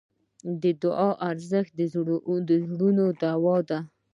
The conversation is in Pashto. د دعا ارزښت د زړونو دوا ده.